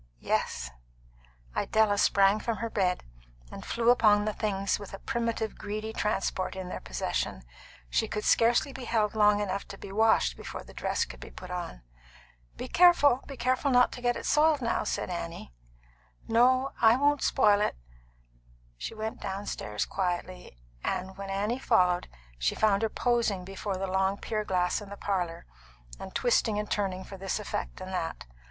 "Yes." Idella sprang from her bed, and flew upon the things with a primitive, greedy transport in their possession. She could scarcely be held long enough to be washed before the dress could be put on. "Be careful be careful not to get it soiled now," said Annie. "No; I won't spoil it." She went quietly downstairs, and when Annie followed, she found her posing before the long pier glass in the parlour, and twisting and turning for this effect and that.